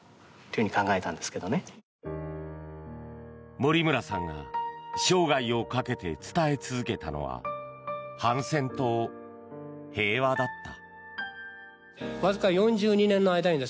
森村さんが生涯をかけて伝え続けたのは反戦と平和だった。